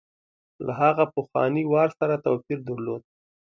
له هغه پخواني وار سره توپیر درلود.